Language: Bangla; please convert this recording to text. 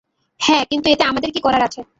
হ্যাঁ, কিন্তু এতে আমাদের কী করার আছে?